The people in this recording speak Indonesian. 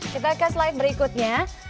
kita ke slide berikutnya